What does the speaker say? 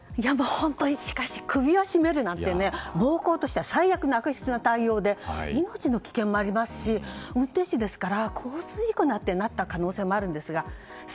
しかし首を絞めるなんてね暴行としては最悪の悪質な対応で命の危険もありますし運転手ですから交通事故になっていた可能性もあるわけですから。